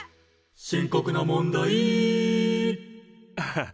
「深刻な問題」ああ